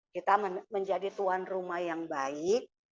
kita menjadi tuan rumah yang baik